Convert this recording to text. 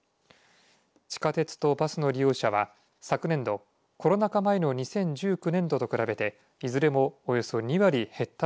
地下鉄とバスの利用者は昨年度、コロナ禍前の２０１９年度と比べていずれも、およそ２割減った